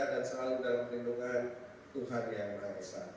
dan selalu dalam perlindungan tuhan yang maha esa